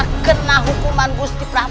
banyak kena hukuman gusti prabu